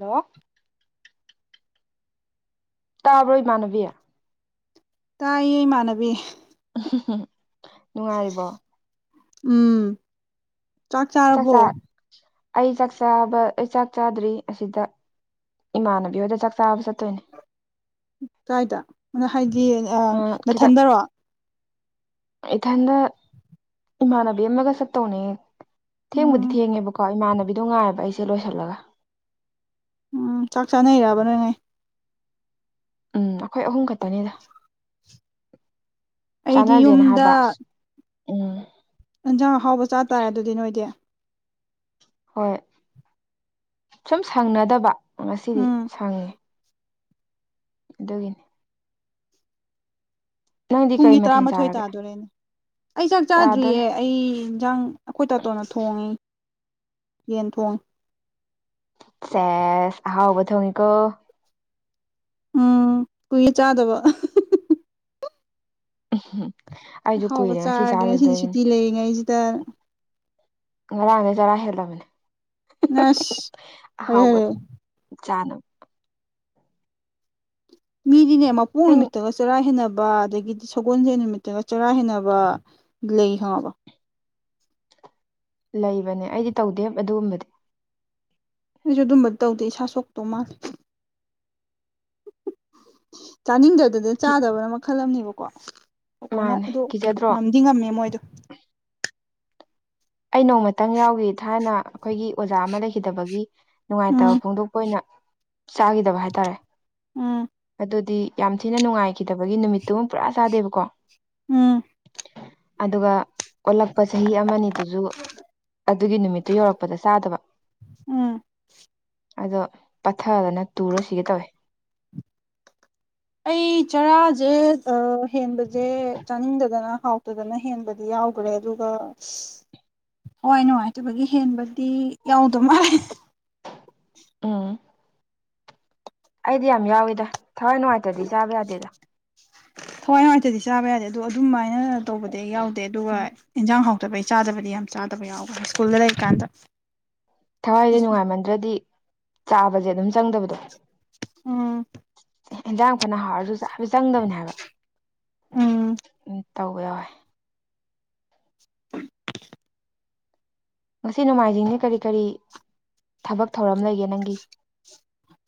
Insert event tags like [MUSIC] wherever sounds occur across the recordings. ꯍꯣ ꯇꯥꯕ꯭ꯔꯣ ꯏꯃꯥꯟꯅꯕꯤ ꯇꯥꯏꯌꯦ ꯏꯃꯥꯟꯅꯕꯤ ꯅꯨꯡꯉꯥꯏꯔꯤꯕꯣ ꯎꯝ ꯆꯥꯛ ꯆꯥꯔꯕꯣ ꯆꯥꯛꯆꯥ ꯑꯩ ꯆꯥꯛ ꯆꯥꯕ ꯑꯩ ꯆꯥꯛ ꯆꯥꯗ꯭ꯔꯤ ꯑꯁꯤꯗ ꯏꯃꯥꯟꯅꯕꯤ ꯍꯣꯏꯗ ꯆꯥꯛ ꯆꯥꯕ ꯆꯠꯇꯣꯏꯅꯦ ꯀꯥꯏꯗ ꯑꯗꯨꯅ ꯍꯥꯏꯗꯤ ꯅꯊꯟꯗꯔꯣ ꯏꯊꯗ ꯏꯃꯥꯟꯅꯕꯤ ꯑꯃꯒ ꯆꯠꯇꯧꯅꯦ ꯊꯦꯡꯕꯨꯗꯤ ꯎꯝ ꯊꯦꯡꯉꯦꯕꯀꯣ ꯏꯃꯥꯟꯅꯕꯤꯗꯣ ꯉꯥꯏꯑꯕ ꯑꯩꯁꯦ ꯂꯣꯏꯁꯤꯜꯂꯒ ꯎꯝ ꯆꯥꯛ ꯆꯥꯅꯩꯑꯕ ꯅꯣꯏ ꯉꯥꯏ ꯎꯝ ꯑꯩꯈꯣꯏ ꯑꯍꯨꯝ ꯈꯛꯇꯅꯤꯗ ꯑꯩꯗꯤ ꯆꯥꯟꯅꯖꯦꯅ ꯍꯥꯏꯕ ꯑꯁ ꯎꯝ ꯌꯦꯟꯁꯥꯡ ꯑꯍꯥꯎꯕ ꯆꯥꯇꯥꯥꯔꯦ ꯑꯗꯨꯗꯤ ꯅꯣꯏꯗꯤ ꯍꯣꯏ ꯁꯨꯝ ꯁꯪꯅꯗꯕ ꯉꯁꯤꯗꯤ ꯎꯝ ꯁꯪꯉꯦ ꯑꯗꯨꯒꯤꯅꯦ ꯅꯪꯗꯤ ꯀꯩ ꯄꯨꯡꯒꯤ ꯃꯊꯦꯜ ꯇꯔꯥꯃꯥꯊꯣꯏ ꯆꯥꯔꯒꯦ ꯇꯥꯗꯣꯔꯦꯅꯦ ꯑꯩ ꯆꯥꯛ ꯇꯥꯗꯣꯔꯦ ꯆꯥꯗ꯭ꯔꯤꯌꯦ ꯑꯩ ꯏꯟꯖꯥꯡ ꯑꯩꯈꯣꯏ ꯇꯥꯇꯣꯅ ꯊꯣꯡꯉꯤ ꯌꯦꯟ ꯊꯣꯡꯉꯤ ꯁꯦꯁ ꯑꯍꯥꯎꯕ ꯊꯣꯡꯉꯤꯀꯣ ꯎꯝ ꯀꯨꯏꯔ ꯆꯥꯗꯕ ꯎ ꯍꯥꯎꯕ ꯆꯥꯔꯒꯦ ꯉꯁꯤꯗꯤ ꯁꯨꯇꯤ ꯂꯩꯔꯤꯉꯩꯁꯤꯗ ꯉꯔꯥꯡꯅꯦ ꯆꯔꯥ ꯍꯦꯜꯂꯕꯅꯦ ꯅꯁ ꯑꯔꯦ ꯍꯔꯦ ꯆꯥꯅꯣ ꯃꯤꯗꯤꯅꯦ ꯃꯄꯣꯛ ꯅꯪ ꯅꯨꯃꯤꯠꯇꯒ ꯆꯔꯥ ꯍꯦꯟꯅꯕ ꯑꯗꯒꯤꯗꯤ ꯁꯒꯣꯜꯁꯦ ꯅꯨꯃꯤꯠꯇꯒ ꯆꯔꯥ ꯍꯦꯟꯅꯕ ꯂꯩ ꯈꯪꯉꯕ ꯂꯩꯕꯅꯦ ꯑꯩꯗꯤ ꯇꯧꯗꯦ ꯑꯗꯨꯒꯨꯝꯕꯗꯤ ꯑꯩꯁꯨ ꯑꯗꯨꯝꯕ ꯇꯧꯗꯦ ꯏꯁꯥ ꯁꯣꯛꯇꯧ ꯃꯥꯜꯂꯦ ꯆꯥꯅꯤꯡꯗꯗꯅ ꯀꯤ ꯆꯥꯗꯕꯅ ꯃꯈꯜ ꯑꯃꯅꯦꯕꯀꯣ ꯑꯩꯈꯣꯏꯅ ꯃꯥꯅꯦ ꯑꯗꯨ ꯀꯤꯖꯗ꯭ꯔꯣ ꯉꯝꯗꯤ ꯉꯝꯃꯦ ꯃꯣꯏꯗꯣ ꯑꯩ ꯅꯣꯡꯃꯇꯪ ꯌꯥꯎꯈꯤ ꯊꯥꯏꯅ ꯑꯩꯈꯣꯏꯒꯤ ꯑꯣꯖꯥ ꯑꯃ ꯂꯩꯈꯤꯗꯕꯒꯤ ꯎꯝ ꯅꯨꯡꯉꯥꯏꯇꯕ ꯐꯣꯡꯗꯣꯛꯄ ꯑꯣꯏꯅ ꯆꯥꯈꯤꯗꯕ ꯍꯥꯏꯇꯥꯔꯦ ꯎꯝ ꯑꯗꯨꯗꯤ ꯌꯥꯝ ꯊꯤꯅ ꯅꯨꯡꯉꯥꯏꯈꯤꯗꯕꯒꯤ ꯅꯨꯃꯤꯠꯇꯨ ꯑꯃꯨ ꯄꯨꯔꯥ ꯆꯥꯗꯦꯕꯀꯣ ꯎꯝ ꯑꯗꯨꯒ ꯑꯣꯜꯂꯛꯄ ꯆꯍꯤ ꯑꯃꯅꯤ ꯑꯗꯨ ꯑꯗꯨꯒꯤ ꯅꯨꯃꯤꯠꯇꯨ ꯌꯧꯔꯛꯄꯗ ꯆꯥꯗꯕ ꯎꯝ ꯑꯗꯣ ꯄꯠꯊꯗꯅ ꯇꯨꯔꯁꯤꯒꯦ ꯇꯧꯋꯦ ꯑꯩ ꯆꯔꯥꯁꯦ ꯍꯦꯟꯕꯁꯦ ꯆꯥꯅꯤꯡꯗꯗꯅ ꯍꯥꯎ ꯑꯗꯨꯗꯅ ꯍꯦꯟꯕꯗꯤ ꯌꯥꯎꯈ꯭ꯔꯦ ꯑꯗꯨꯒ ꯍꯋꯥꯏ ꯅꯨꯡꯉꯥꯏꯇꯕꯒꯤ ꯍꯦꯟꯕꯗꯤ ꯌꯥꯎꯗꯧ ꯃꯥꯜꯂꯦ ꯑꯥ ꯑꯩꯗꯤ ꯌꯥꯝ ꯌꯥꯎꯋꯤꯗ ꯊꯋꯥꯏ ꯅꯨꯡꯉꯥꯏꯇ꯭ꯔꯗꯤ ꯆꯥꯕ ꯌꯥꯗꯦꯗ ꯊꯋꯥꯏ ꯅꯨꯡꯉꯥꯏꯇꯗꯤ ꯆꯥꯕ ꯌꯥꯗꯦ ꯑꯗꯨꯗꯣ ꯑꯗꯨꯃꯥꯏꯅ ꯇꯧꯕꯗꯤ ꯌꯥꯎꯗꯦ ꯑꯗꯨꯒ ꯎꯝ ꯏꯟꯖꯥꯡ ꯍꯥꯎ ꯐꯇꯕꯩ ꯆꯥꯗꯕꯗꯤ ꯌꯥꯝ ꯆꯥꯗꯕ ꯌꯥꯎꯕ ꯍꯥꯏ ꯁ꯭ꯀꯨꯜꯗ ꯂꯩꯔꯤꯀꯥꯟꯗ ꯊꯋꯥꯏꯁꯦ ꯅꯨꯡꯉꯥꯏꯃꯟꯗ꯭ꯔꯗꯤ ꯆꯥꯕꯁꯦ ꯑꯗꯨꯝ ꯆꯪꯗꯕꯗꯣ ꯎꯝ ꯏꯟꯖꯥꯡ ꯐꯅ ꯍꯥꯎꯔꯁꯨ ꯆꯥꯕ ꯆꯪꯗꯕꯅꯤ ꯍꯥꯏꯕ ꯎꯝ ꯎ ꯇꯧꯕ ꯌꯥꯎꯋꯦ ꯍ ꯉꯁꯤ ꯅꯣꯡꯃꯥꯏꯖꯤꯡꯁ ꯀꯔꯤ ꯀꯔꯤ ꯊꯕꯛ ꯊꯧꯔꯝ ꯂꯩꯒꯦ ꯅꯪꯒꯤ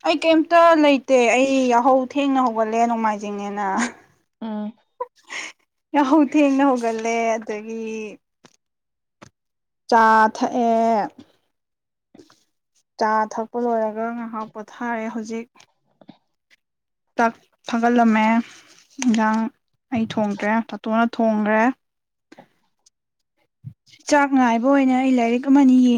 ꯑꯩ ꯀꯩꯝꯇ ꯂꯩꯇꯦ ꯑꯩ ꯌꯥꯍꯧ ꯊꯦꯡꯅ ꯍꯧꯒꯠꯂꯦ ꯅꯣꯡꯃꯥꯏꯖꯤꯡꯅꯦꯅ ꯑꯥ ꯌꯥꯝ ꯍꯧ ꯊꯦꯡꯅ ꯍꯧꯒꯠꯂꯦ ꯑꯗꯒꯤ ꯆꯥ ꯊꯛꯑꯦ ꯆꯥ ꯊꯛꯄ ꯂꯣꯏꯔꯒ ꯉꯥꯏꯍꯥꯛ ꯄꯣꯊꯥꯔꯦ ꯍꯧꯖꯤꯛ ꯇꯥꯛ ꯊꯥꯒꯠꯂꯝꯃꯦ ꯏꯟꯖꯥꯡ ꯑꯩ ꯊꯣꯡꯗ꯭ꯔꯦ ꯇꯥꯇꯣꯛꯅ ꯊꯣꯡꯈ꯭ꯔꯦ ꯆꯥꯛ ꯥꯏꯕ ꯑꯣꯏꯅ ꯑꯩ ꯂꯥꯏꯔꯤꯛ ꯑꯃ ꯌꯦꯡꯉꯤ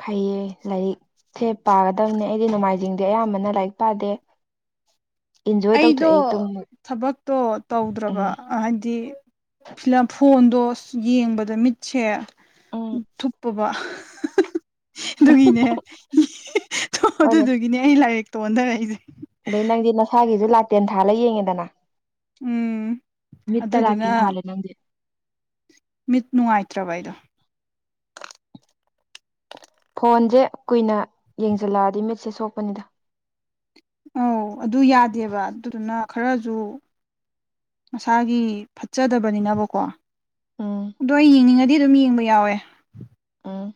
ꯐꯩꯌꯦ ꯂꯥꯏꯔꯤꯛꯁꯦ ꯄꯥꯒꯗꯕꯅꯦ ꯑꯩꯗꯤ ꯅꯣꯡꯃꯥꯏꯖꯤꯡꯗꯦ ꯑꯌꯥꯝꯕꯅ ꯂꯥꯏꯔꯤꯛ ꯄꯥꯗꯦ ꯏꯟꯖꯣꯏ ꯑꯩꯗꯣ ꯇꯧꯊꯣꯛꯑꯦ ꯇꯨꯝꯕ ꯊꯕꯛꯇꯣ ꯎꯝ ꯇꯧꯗ꯭ꯔꯕ ꯍꯥꯏꯗꯤ ꯁꯤ ꯐꯣꯟꯗꯣ ꯌꯦꯡꯕꯗ ꯃꯤꯠꯁꯦ ꯎꯝ ꯊꯨꯞꯄꯕ ꯑꯗꯨꯒꯤꯅꯦ ꯍꯣꯏꯅꯦ ꯑꯗꯨꯗꯨꯒꯤꯅꯦ ꯑꯩ ꯂꯥꯏꯔꯤꯛꯇ ꯑꯣꯟꯊꯔꯛꯏꯁꯦ ꯑꯗꯩ ꯅꯪꯗꯤ ꯅꯁꯥꯒꯤꯁꯨ ꯂꯥꯇꯦꯟ ꯊꯥꯜꯂ ꯌꯦꯡꯉꯦꯗꯅ ꯎꯝ ꯃꯤꯠꯇ ꯑꯗꯨꯗꯨꯅ ꯂꯇꯅ ꯊꯂ ꯅꯗꯦ ꯃꯤꯠ ꯅꯨꯡꯉꯥꯏꯇ꯭ꯔꯕ ꯑꯩꯗꯣ ꯐꯣꯟꯁꯦ ꯀꯨꯏꯅ ꯌꯦꯡꯁꯤꯜꯂꯛꯑꯗꯤ ꯃꯦꯠꯁꯦꯁ ꯁꯣꯛꯄꯅꯤꯗ ꯑꯧ ꯑꯗꯨ ꯌꯥꯗꯦꯕ ꯑꯗꯨꯗꯨꯅ ꯈꯔꯖ ꯃꯁꯥꯒꯤ ꯐꯠꯆꯗꯕꯅꯤꯅꯕꯀꯣ ꯎꯝ ꯑꯗꯣ ꯑꯩ ꯌꯦꯡꯅꯤꯡꯉꯗꯤ ꯑꯗꯨꯝ ꯌꯦꯡꯕ ꯌꯥꯎꯋꯦ ꯎꯝ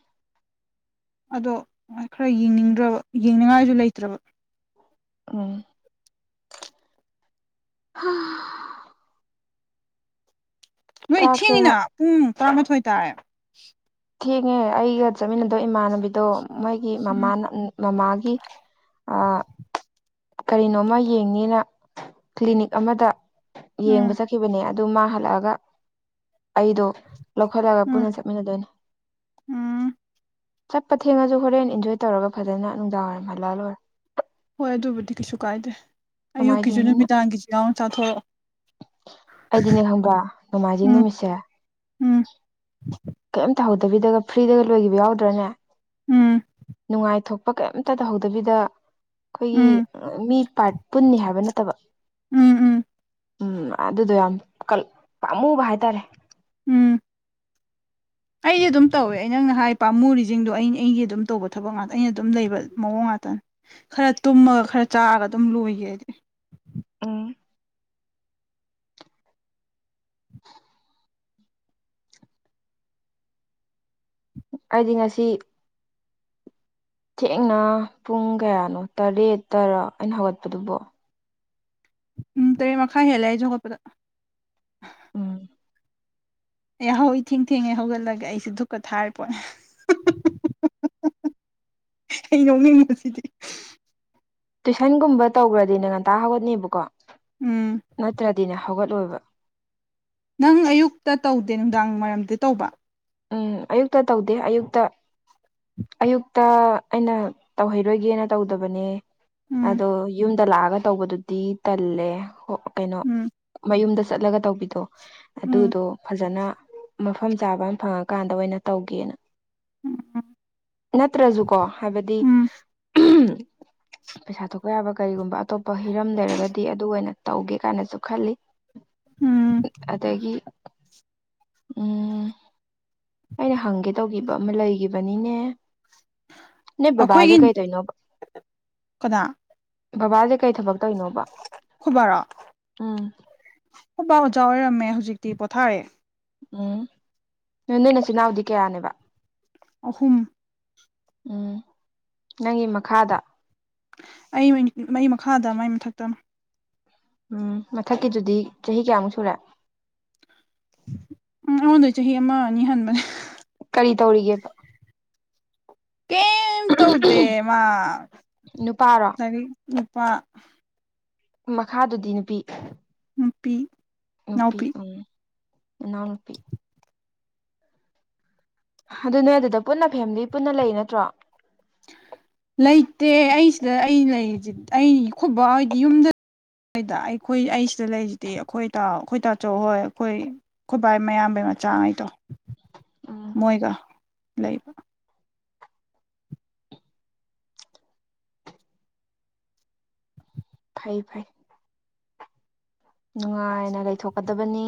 ꯑꯗꯣ ꯈꯔ ꯌꯦꯡꯅꯤꯡꯗ꯭ꯔꯕ ꯌꯦꯡꯅꯤꯡꯉꯥꯏꯁꯨ ꯂꯩꯇ꯭ꯔꯕ ꯎꯝ ꯎꯝ ꯅꯣꯏ ꯆꯥꯛꯁꯦ ꯉ ꯏꯊꯤꯅꯤꯅ ꯄꯨꯡ ꯇꯔꯥꯃꯥꯊꯣꯏ ꯇꯥꯔꯦ ꯊꯦꯡꯉꯦ ꯑꯩꯒ ꯆꯠꯃꯤꯟꯅꯗꯣꯏ ꯏꯃꯥꯟꯅꯕꯤꯗꯣ ꯃꯣꯏꯒꯤ ꯎꯝ ꯃꯃꯥꯅ ꯃꯃꯥꯒꯤ ꯑ ꯀꯔꯤꯅꯣꯃ ꯌꯦꯡꯅꯤꯅ ꯀ꯭ꯂꯤꯅꯤꯛ ꯑꯃꯗ ꯌꯦꯡꯕ ꯎꯝ ꯆꯠꯈꯤꯕꯅꯦ ꯑꯗꯨ ꯃꯥꯥꯡ ꯍꯜꯂꯛꯑꯒ ꯑꯩꯗꯣ ꯂꯧꯈꯠꯂꯒ ꯎꯝ ꯄꯨꯟꯅ ꯆꯠꯃꯤꯟꯅꯗꯣꯏꯅꯤ ꯎꯝ ꯆꯠꯄ ꯊꯦꯡꯉꯁꯨ ꯍꯣꯔꯦꯟ ꯏꯟꯖꯣꯏ ꯇꯧꯔꯒ ꯐꯖꯅ ꯅꯨꯡꯗꯥꯡꯔꯝ ꯍꯜꯂꯜꯂꯔꯦ ꯍꯣꯏ ꯑꯗꯨꯕꯨꯗꯤ ꯀꯩꯁꯨ ꯀꯥꯏꯗꯦ ꯑꯌꯨꯛꯀꯤꯁꯨ ꯅꯣꯡꯃꯥꯏꯖꯤꯡꯅꯤꯅ ꯅꯨꯃꯤꯗꯥꯡꯒꯤꯁꯨ ꯌꯥꯎꯅ ꯆꯥꯊꯣꯔꯛꯑꯣ ꯑꯩꯗꯤꯅꯦ ꯈꯪꯕ꯭ꯔ ꯅꯣꯡꯃꯥꯏꯖꯤꯡ ꯎꯝ ꯅꯨꯃꯤꯠꯁꯦ ꯎꯝ ꯀꯩꯝ ꯇꯥꯍꯧꯗꯕꯤꯗꯒ ꯐ꯭ꯔꯤꯗꯒ ꯂꯣꯏꯈꯤꯕ ꯌꯥꯎꯗ꯭ꯔꯅꯦ ꯎꯝ ꯅꯨꯡꯉꯥꯏꯊꯣꯛꯄ ꯀꯩꯝꯇ ꯇꯧꯍꯧꯗꯕꯤꯗ ꯑꯩꯈꯣꯏꯒꯤ ꯎꯝ ꯃꯤ ꯄꯥꯔꯠ ꯄꯨꯟꯅꯤ ꯍꯥꯏꯕ ꯅꯠꯇꯕ ꯎꯝ ꯎꯝ ꯎꯝ ꯑꯗꯨꯗꯣ ꯌꯥꯝ ꯄꯥꯝꯃꯨꯕ ꯍꯥꯏꯇꯥꯔꯦ ꯎꯝ [UNINTELLIGIBLE] ꯑꯩꯗꯤ ꯑꯗꯨꯝ ꯇꯧꯋꯦ ꯑꯩ ꯅꯪꯅ ꯍꯥꯏ ꯄꯥꯝꯃꯨꯔꯤꯁꯤꯡꯗꯣ ꯑꯩ ꯑꯩꯒꯤ ꯑꯗꯨꯝ ꯇꯧꯕ ꯊꯕꯛ ꯉꯥꯛꯇ ꯑꯩꯅ ꯑꯗꯨꯝ ꯂꯩꯕ ꯃꯑꯣꯡ ꯉꯥꯛꯇꯅꯦ ꯈꯔ ꯇꯨꯝꯃꯒ ꯈꯔ ꯆꯥꯔꯒ ꯑꯗꯨꯝ ꯂꯣꯏꯒ ꯍꯥꯏꯗꯤ ꯎꯝ ꯑꯩꯗꯤ ꯉꯁꯤ ꯊꯦꯡꯅ ꯄꯨꯡ ꯀꯌꯥꯅꯣ ꯇꯔꯦꯠ ꯇꯔꯥ ꯑꯩꯅ ꯍꯧꯒꯠꯄꯗꯨꯕꯣ ꯎꯝ ꯇꯔꯦꯠ ꯃꯈꯥꯏ ꯍꯦꯜꯂꯦ ꯑꯩꯁꯨꯈꯠꯄꯗ ꯎꯝ ꯑꯩ ꯍꯧꯏ ꯊꯦꯡ ꯊꯦꯡꯉꯦ ꯍꯧꯒꯠꯂꯒ ꯑꯩꯁꯦ ꯙꯨꯛꯀ ꯊꯥꯔꯦ ꯄꯣꯠꯅꯦ ꯑꯩ ꯌꯣꯛꯅꯤꯡꯕꯁꯤꯗꯤ ꯇꯨꯏꯁꯟꯒꯨꯝꯕ ꯇꯧꯈ꯭ꯔꯗꯤꯅꯦ ꯉꯟꯇꯥ ꯍꯧꯒꯠꯅꯦꯕꯀꯣ ꯎꯝ ꯅꯠꯇ꯭ꯔꯗꯤꯅꯦ ꯍꯧꯒꯠꯂꯣꯏꯕ ꯅꯪ ꯑꯌꯨꯛꯇ ꯇꯧꯗꯦ ꯅꯨꯡꯗꯥꯡ ꯋꯥꯏꯔꯝꯗ ꯇꯧꯕ ꯎꯝ ꯑꯌꯨꯛꯇ ꯇꯧꯗꯦ ꯑꯌꯨꯛꯇ ꯑꯌꯨꯛꯇ ꯑꯩꯅ ꯇꯧꯍꯩꯔꯣꯏꯒꯦꯅ ꯇꯧꯗꯕꯅꯦ ꯎꯝ ꯑꯗꯣ ꯌꯨꯝꯗ ꯂꯥꯛꯑꯒ ꯇꯧꯕꯗꯨꯗꯤ ꯇꯜꯂꯦ ꯀꯩꯅꯣ ꯎꯝ ꯃꯌꯨꯝꯗ ꯆꯠꯂꯒ ꯇꯧꯕꯤꯗꯣ ꯎꯝ ꯑꯗꯨꯗꯣ ꯐꯖꯅ ꯃꯐꯝ ꯆꯥꯕ ꯑꯃ ꯐꯪꯉꯀꯥꯟꯗ ꯑꯣꯏꯅ ꯇꯧꯒꯦꯅ ꯅꯠꯇ꯭ꯔꯁꯨꯀꯣ ꯍꯥꯏꯕꯗꯤ ꯎꯝ ꯄꯩꯁꯥ ꯊꯣꯛꯄ ꯌꯥꯕ ꯀꯔꯤꯒꯨꯝꯕ ꯑꯇꯣꯞꯄ ꯍꯤꯔꯝ ꯂꯩꯔꯒꯗꯤ ꯑꯗꯨ ꯑꯣꯏꯅ ꯇꯧꯒꯦ ꯀꯥꯏꯅꯁꯨ ꯈꯜꯂꯤ ꯎꯝ ꯑꯗꯨꯗꯒꯤ ꯎꯝ ꯑꯩꯅ ꯍꯪꯒꯦ ꯇꯧꯈꯤꯕ ꯑꯃ ꯂꯩꯈꯤꯕꯅꯤꯅꯦ ꯅ ꯕꯥ ꯑꯖꯦ ꯑꯩꯈꯣꯏꯒꯤ ꯀꯥꯏ ꯊꯅ ꯀꯅꯥ ꯕꯕꯥꯁꯦ ꯀꯩ ꯊꯕꯛ ꯇꯧꯅꯣꯕ ꯑꯩꯈꯣꯏ ꯎꯝ ꯑꯄꯥ ꯑꯣꯖꯥ ꯑꯣꯏꯔꯝꯃꯦ ꯍꯧꯖꯤꯛꯇꯤ ꯄꯣꯊꯥꯔꯑꯦ ꯎꯝ ꯅꯣꯏ ꯅꯣꯏꯅꯆꯤꯟ ꯏꯅꯥꯎꯗꯤ ꯀꯌꯥꯅꯦꯕ ꯑꯍꯨꯝ ꯎꯝ ꯅꯪꯒꯤ ꯃꯈꯥꯗ ꯑꯩ ꯃ ꯃꯈꯥꯗ ꯃꯥꯏ ꯃꯊꯛꯇꯅ ꯎꯝ ꯃꯊꯛꯀꯤꯗꯨꯗꯤ ꯆꯍꯤ ꯀꯌꯥꯃꯨꯛ ꯁꯨꯔꯦ ꯑꯩꯉꯣꯟꯗ ꯆꯍꯤ ꯑꯃ ꯑꯅꯤ ꯍꯟꯕꯅꯦ ꯀꯔꯤ ꯇꯧꯔꯤꯒꯦꯕ ꯀꯦꯝ ꯇꯧꯗꯦ ꯃꯥ ꯅꯨꯄꯥꯔꯣ ꯉꯔꯤ ꯅꯨꯄꯥ ꯃꯈꯥꯗꯨꯗꯤ ꯅꯨꯄꯤ ꯅꯨꯄꯤ ꯅꯨꯄꯤ ꯏꯅꯥꯎꯄꯤ ꯎꯝꯅꯥꯎ ꯅꯨꯄꯤ ꯑꯗꯨꯅꯦ ꯑꯗꯨꯗ ꯄꯨꯟꯅ ꯐꯦꯃꯤꯂꯤ ꯄꯨꯟꯅ ꯂꯩ ꯅꯠꯇ꯭ꯔꯣ ꯂꯩꯇꯦ ꯑꯩꯁꯤꯗ ꯑꯩ ꯂꯩꯔꯤ ꯑꯩ ꯈꯨꯕ ꯍꯥꯏꯗꯤ ꯌꯨꯝꯗ ꯣꯏꯗ ꯑꯩꯈꯣꯏ ꯑꯩ ꯁꯤꯗ ꯂꯩꯔꯤꯁꯤꯗꯤ ꯑꯩꯈꯣꯏ ꯑꯩꯈꯣꯏ ꯇꯥꯆꯧ ꯍꯣꯏ ꯑꯩꯈꯣꯏ ꯈꯨꯈꯣꯏꯕꯥꯏ ꯃꯌꯥꯝꯕꯩ ꯃꯆꯥꯉꯩꯗꯣ ꯎꯝ ꯃꯣꯏꯒ ꯂꯩꯕ ꯐꯩ ꯐꯥꯏ ꯅꯨꯡꯉꯥꯏꯅ ꯂꯩꯊꯣꯛꯀꯗꯕꯅꯤ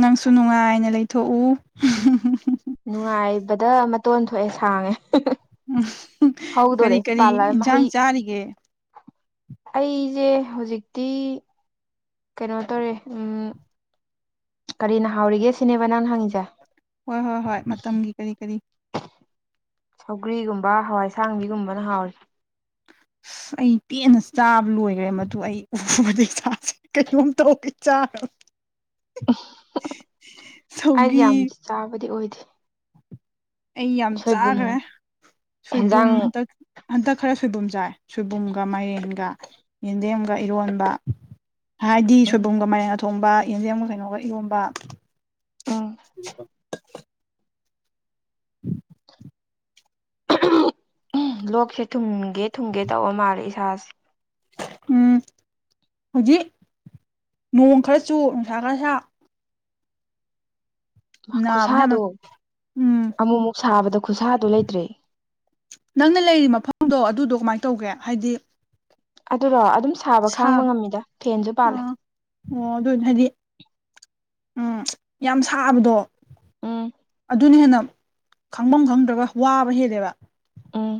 ꯅꯪꯁꯨ ꯅꯨꯡꯉꯥꯏꯅ ꯂꯩꯊꯣꯛꯎ ꯅꯨꯡꯉꯥꯏꯕꯗ ꯃꯇꯣꯟ ꯊꯣꯛꯑꯦ ꯁꯥꯡꯉꯦ ꯀꯔꯤ ꯍꯗꯣꯔꯦ ꯀꯔꯤ ꯄꯥꯜꯂ ꯃꯍꯩ ꯏꯟꯁꯥꯡ ꯆꯥꯔꯤꯒꯦ ꯑꯩꯁꯦ ꯍꯧꯖꯤꯛꯇꯤ ꯀꯩꯅꯣ ꯇꯧꯔꯦ ꯎꯝ ꯀꯔꯤꯅ ꯍꯥꯎꯔꯤꯒꯦ ꯁꯤꯅꯦꯕ ꯅꯪꯅ ꯍꯪꯉꯤꯁꯦ ꯍꯣꯏ ꯍꯣꯏ ꯍꯣꯏ ꯃꯇꯝꯒꯤ ꯀꯔꯤ ꯀꯔꯤ ꯁꯧꯒ꯭ꯔꯤꯒꯨꯝꯕ ꯍꯋꯥꯏꯁꯥꯡꯕꯤꯒꯨꯝꯕꯅ ꯍꯥꯎꯋ ꯑꯩ ꯄꯦꯟꯅ ꯆꯥꯕ ꯂꯣꯏꯈ꯭ꯔꯦ ꯃꯗꯨ ꯑꯩ ꯎꯕꯗꯒꯤ ꯊꯥꯁꯦ ꯀꯩꯅꯣꯝ ꯇꯧ ꯆꯥꯔ ꯑꯩꯗꯤ ꯁꯧꯒꯤ ꯌꯥꯝꯗꯤ ꯆꯥꯕꯗꯤ ꯑꯣꯏꯗꯦ ꯑꯩ ꯌꯥꯝ ꯁꯣꯏꯕꯨꯝ ꯆꯥꯈ꯭ꯔꯦ ꯁꯣꯏꯕꯨꯝ ꯍꯦꯟꯖꯥꯡ ꯍꯟꯇꯛ ꯍꯟꯇꯛ ꯈꯔ ꯁꯣꯏꯕꯨꯝ ꯆꯥꯏ ꯁꯣꯏꯕꯨꯝꯒ ꯃꯥꯏꯔꯦꯟꯒ ꯌꯦꯟꯗꯦꯝꯒ ꯏꯔꯣꯟꯕ ꯍꯥꯏꯗꯤ ꯎꯝ ꯁꯣꯏꯕꯨꯝꯒ ꯃꯥꯏꯒ ꯊꯣꯡꯕ ꯌꯦꯟꯗꯦꯝꯒ ꯀꯩꯅꯣꯒ ꯏꯔꯣꯟꯕ ꯎꯝ ꯎꯝ [INAUDIBLE] ꯂꯣꯛꯁꯦ ꯊꯨꯡꯒꯦ ꯊꯨꯡꯒꯦ ꯇꯧꯑ ꯃꯥꯜꯂꯦ ꯏꯁꯥꯁꯦ ꯎꯝ ꯍꯧꯖꯤꯛ ꯅꯣꯡ ꯈꯔꯆꯨ ꯅꯨꯡꯁꯥ ꯈꯔ ꯁꯥ ꯅꯥꯕꯅ ꯈꯨꯠꯁꯥꯗꯣ ꯌꯥꯝꯅ ꯎꯝ ꯑꯃꯨꯛ ꯑꯃꯨꯛ ꯁꯥꯕꯗ ꯈꯨꯠꯁꯥꯗꯣ ꯂꯩꯇ꯭ꯔꯦ ꯅꯪꯅ ꯂꯩꯔꯤꯕꯔꯤ ꯃꯐꯝꯗꯣ ꯑꯗꯨꯗꯣ ꯀꯃꯥꯏꯅ ꯇꯧꯒꯦ ꯍꯥꯏꯗꯤ ꯑꯗꯨꯔꯣ ꯑꯗꯨꯝ ꯁꯥꯕ ꯁꯥ ꯈꯥꯡꯕ ꯉꯝꯃꯤꯗ ꯐꯦꯟꯁꯨ ꯑ ꯄꯥꯜꯂꯦ ꯑꯣ ꯑꯗꯨꯅ ꯍꯥꯏꯗꯤ ꯎꯝ ꯌꯥꯝ ꯁꯥꯕꯗꯣ ꯎꯝ ꯑꯗꯨꯅ ꯍꯦꯟꯅ ꯈꯪꯐꯝ ꯈꯪꯗ꯭ꯔꯒ ꯋꯥꯕ ꯍꯦꯜꯂꯦꯕ ꯎꯝ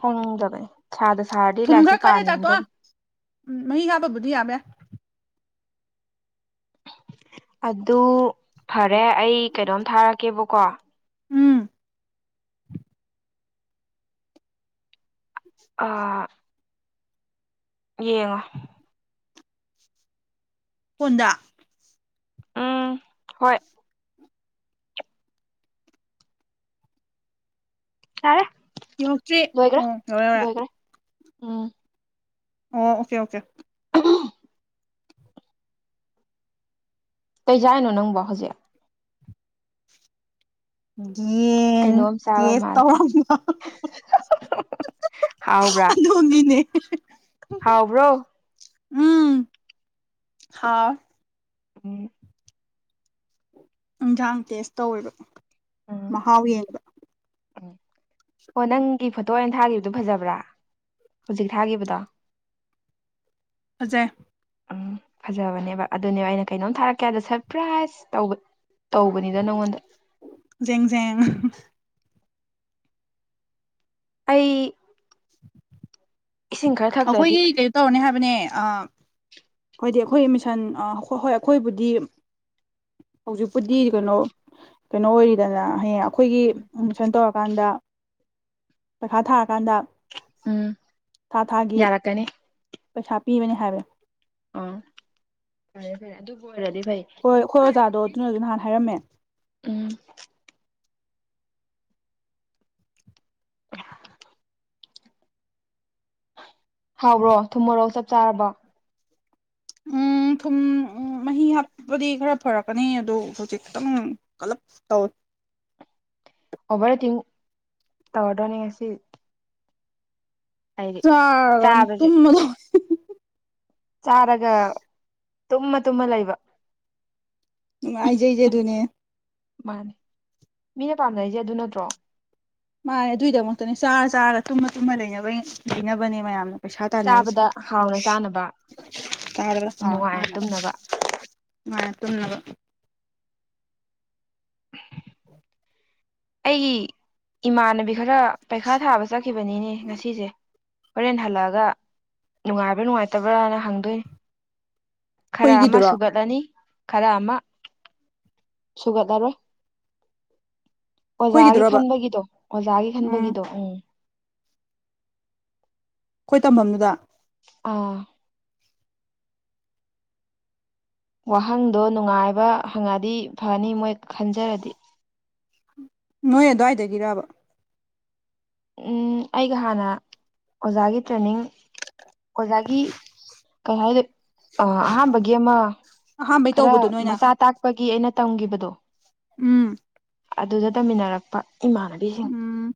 ꯈꯪꯗꯕꯅꯦ ꯁꯥꯗ ꯁꯥꯔꯗꯤ ꯊꯨꯝ ꯈꯔ ꯂꯥꯏꯔꯤꯛꯁꯨ ꯀꯜꯂꯦ ꯇꯥꯇꯣ ꯄꯥꯅꯤꯡꯗꯕꯅꯤ ꯎꯝ ꯃꯍꯤ ꯍꯥꯥꯕꯕꯨꯙꯗꯤ ꯌꯥꯕ ꯌꯥ ꯑꯗꯨ ꯐꯔꯦ ꯑꯩ ꯀꯩꯅꯣꯝ ꯊꯥꯔꯛꯀꯦꯕꯀꯣ ꯎꯝ ꯑꯥ ꯌꯦꯡꯉꯣ ꯍꯣꯟꯗ ꯎꯝ ꯍꯣꯏ ꯌꯥꯔꯦ ꯌꯧꯔꯛꯇ꯭ꯔꯤ ꯂꯣꯏꯈ꯭ꯔꯥ ꯑꯣ ꯌꯧꯔꯦ ꯌꯧꯔꯦ ꯂꯣꯏꯈ꯭ꯔꯦ ꯎꯝ ꯑꯣ ꯑꯣꯀꯦ ꯑꯣꯀꯦ ꯀꯩꯆꯥꯔꯤꯅꯣ ꯅꯪꯕ ꯍꯧꯖꯤꯛ ꯌꯦꯟ ꯀꯩꯅꯣꯝ ꯆꯥꯕ ꯌꯦꯟ ꯃꯥꯜꯂꯦ ꯇꯧꯔꯝꯕ ꯍꯥꯎꯕ꯭ꯔꯥ ꯑꯗꯨꯅꯤꯅꯦ ꯍꯥꯎꯕ꯭ꯔꯣ ꯎꯝ ꯍꯥꯎ ꯎꯝ ꯏꯟꯖꯥꯡ ꯇꯦꯁ ꯇꯧꯋꯦꯕ ꯃꯍꯥꯎ ꯌꯦꯡꯕ ꯎꯝ ꯑꯣ ꯅꯪꯒꯤ ꯐꯣꯇꯣ ꯑꯣꯏꯅ ꯊꯥꯒꯤꯈꯤꯕꯗꯨ ꯐꯖꯕ꯭ꯔꯥ ꯍꯧꯖꯤꯛ ꯊꯥꯈꯤꯕꯗꯣ ꯐꯖꯩ ꯎꯝ ꯐꯖꯕꯅꯦꯕ ꯑꯗꯨꯅꯦꯕ ꯑꯩꯅ ꯀꯩꯅꯣꯝ ꯊꯥꯔꯛꯀꯦ ꯍꯥꯏꯗ ꯁꯔꯄ꯭ꯔꯥꯏꯖ ꯇꯧꯕ ꯇꯧꯕꯅꯤꯗ ꯅꯪꯉꯣꯟꯗ ꯖꯦꯡꯖꯦꯡ ꯑꯩ ꯏꯁꯤꯡ ꯈꯔ ꯊꯛꯇ꯭ꯔꯗꯤ ꯑꯩꯈꯣꯏꯒꯤ ꯀꯩ ꯇꯧꯔꯅꯤ ꯍꯥꯏꯕꯅꯦ ꯍꯣꯏꯗꯤ ꯑꯩꯈꯣꯏ ꯃꯤꯁꯟ ꯍꯣꯏ ꯍꯣꯏ ꯑꯩꯈꯣꯏꯕꯨꯗꯤ ꯍꯧꯖꯤꯛꯄꯨꯗꯤ ꯀꯩꯅꯣ ꯀꯩꯅꯣ ꯑꯣꯏꯔꯤꯗꯅ ꯍꯌꯦꯡ ꯑꯩꯈꯣꯏꯒꯤ ꯑꯦꯃꯤꯁꯟ ꯇꯧꯔꯀꯥꯟꯗ ꯄꯩꯈꯥ ꯊꯥꯔꯀꯥꯟꯗ ꯎꯝ ꯊꯥ ꯊꯥꯒꯤ ꯌꯥꯔꯛꯀꯅꯤ ꯄꯩꯁꯥ ꯄꯤꯕꯅꯤ ꯍꯥꯏꯕ ꯑ ꯐꯔꯦ ꯐꯔꯦ ꯑꯗꯨꯕꯨ ꯑꯣꯏꯔꯗꯤ ꯐꯩ ꯍꯣꯏ ꯑꯩꯈꯣꯏ ꯑꯣꯖꯥꯗꯣ ꯑꯗꯨꯅꯁꯨ ꯅꯍꯥꯟ ꯍꯥꯏꯔꯝꯃꯦ ꯎꯝ ꯍꯥꯎꯕ꯭ꯔꯣ ꯊꯨꯝꯃꯣꯔꯣꯛ ꯆꯞ ꯆꯥꯔꯕ ꯎꯝ ꯊꯨꯝ ꯎ ꯃꯍꯤ ꯍꯥꯞꯄꯗꯤ ꯈꯔ ꯐꯔꯛꯀꯅꯤ ꯑꯗꯣ ꯍꯧꯖꯤꯛ ꯈꯤꯇꯪ ꯀꯂꯞ ꯇꯧ ꯑꯣꯕꯔ ꯑꯛꯇꯤꯡ ꯇꯧꯔꯗꯅꯤ ꯉꯁꯤ ꯑꯩꯗꯤ ꯆꯒ ꯆꯥꯕꯁꯦ ꯇꯨꯝꯃꯗꯕꯅꯦ ꯆꯥꯔꯒ ꯇꯨꯝꯃ ꯇꯨꯝꯃ ꯂꯩꯕ ꯅꯨꯡꯉꯥꯏ ꯖꯩꯁꯦ ꯑꯗꯨꯅꯦ ꯃꯥꯅꯦ ꯃꯤꯅ ꯄꯥꯝꯅꯔꯤꯁꯦ ꯑꯗꯨ ꯅꯠꯇ꯭ꯔꯣ ꯃꯥ ꯑꯗꯨꯏꯗꯃꯛꯇꯅꯦ ꯆꯥꯔ ꯆꯥꯔꯒ ꯇꯨꯝꯃ ꯇꯨꯝꯃ ꯂꯩꯅꯕ ꯂꯩꯅꯕꯅꯦ ꯃꯌꯥꯝꯅ ꯄꯩꯁꯥ ꯇꯟꯅꯩꯁꯦ ꯆꯥꯕꯗ ꯍꯥꯎꯅ ꯆꯥꯅꯕ ꯇꯥꯗꯅ ꯁꯥꯎ ꯅꯨꯡꯉꯥꯏꯅ ꯔꯛꯇꯅ ꯇꯨꯝꯅꯕ ꯃꯥꯅ ꯇꯨꯝꯅꯕ ꯑꯩꯒꯤ ꯏꯃꯥꯟꯅꯕꯤ ꯈꯔ ꯄꯩꯈꯥ ꯊꯥꯕ ꯆꯠꯈꯤꯕꯅꯤꯅꯦ ꯉꯁꯤꯁꯦ ꯍꯣꯔꯦꯟ ꯍꯜꯂꯛꯑꯒ ꯅꯨꯡꯉꯥꯏꯕ꯭ꯔꯥ ꯅꯨꯡꯉꯥꯏꯇꯕ꯭ꯔꯅ ꯍꯪꯗꯣꯏꯅꯤ ꯈꯔ ꯑꯃ ꯑꯩꯈꯣꯏꯒꯤꯗꯨꯔꯣ ꯁꯨꯒꯠꯂꯅꯤ ꯈꯔ ꯑꯃ ꯁꯨꯒꯠꯂꯔꯣꯏ ꯑꯣꯖꯥꯒꯤ ꯑꯩꯈꯣꯏꯒꯤꯗꯨꯔꯕ ꯈꯟꯕꯒꯤꯗꯣ ꯑꯣꯖꯥꯒꯤ ꯈꯟꯕꯒꯤꯗꯣ ꯎꯝ ꯑꯩꯈꯣꯏ ꯇꯝꯐꯝꯗꯨꯗ ꯑꯥ ꯋꯥꯍꯪꯗꯣ ꯅꯨꯡꯉꯥꯏꯕ ꯍꯪꯉꯗꯤ ꯐꯅꯤ ꯃꯣꯏ ꯈꯟꯖꯔꯗꯤ ꯅꯣꯏ ꯑꯗꯨꯋꯥꯏꯗꯒꯤꯔꯔꯕ ꯎꯝ ꯑꯩꯒ ꯍꯥꯟꯅ ꯑꯣꯖꯥꯒꯤ ꯇ꯭ꯔꯦꯅꯤꯡ ꯑꯣꯖꯥꯒꯤ ꯀꯩ ꯍꯥꯏꯗꯣꯏ ꯑꯍꯥꯥꯟꯕꯒꯤ ꯑꯃ ꯑꯍꯥꯟꯕꯩ ꯈꯔ ꯇꯧꯕꯗꯣ ꯅꯣꯏꯅ ꯃꯆꯥ ꯇꯥꯛꯄꯒꯤ ꯑꯩꯅ ꯇꯝꯈꯤꯕꯗꯣ ꯎꯝ ꯑꯗꯨꯗ ꯇꯝꯃꯤꯟꯅꯔꯛꯄ ꯏꯃꯥꯟꯅꯕꯤꯁꯤꯡ ꯎꯝ